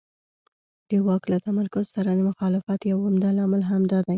د واک له تمرکز سره د مخالفت یو عمده لامل همدا دی.